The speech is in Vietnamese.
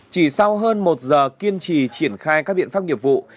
chỉ sau hơn một giờ kiên trì triển khai các biện pháp nghiệp vụ